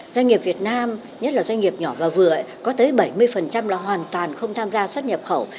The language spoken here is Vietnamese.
doanh nghiệp việt nam nhất là doanh nghiệp nhỏ và vừa có tới bảy mươi là hoàn toàn không tham gia xuất nhập khẩu